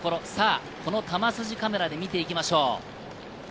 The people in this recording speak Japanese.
球筋カメラで見ていきましょう。